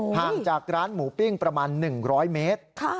ห่างจากร้านหมูปิ้งประมาณ๑๐๐เมตร